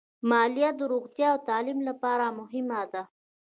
مالیه د روغتیا او تعلیم لپاره مهمه ده.